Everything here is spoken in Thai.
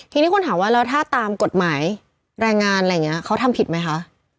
ทีนี้คนถามว่าแล้วถ้าตามกฎหมายแรงงานอะไรอย่างนี้เขาทำผิดไหมคะ